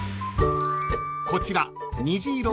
［こちら］